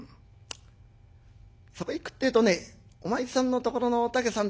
そこへいくってえとねお前さんのところのお竹さん